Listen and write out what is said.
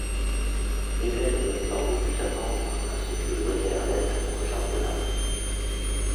Vettel ne doit désormais plus s'attendre à ce que Webber l'aide pour le championnat.